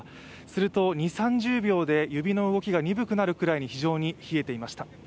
すると２０３０秒で指の動きが鈍くなるぐらいに非常に冷えていました。